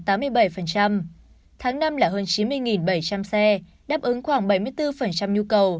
tháng năm là hơn chín mươi bảy trăm linh xe đáp ứng khoảng bảy mươi bốn nhu cầu